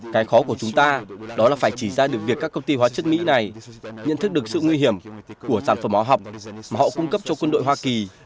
cái khó của chúng ta đó là phải chỉ ra được việc các công ty hóa chất mỹ này nhận thức được sự nguy hiểm của sản phẩm hóa học mà họ cung cấp cho quân đội hoa kỳ